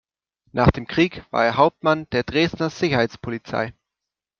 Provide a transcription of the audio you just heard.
Nach dem Krieg war er Hauptmann der Dresdner Sicherheitspolizei.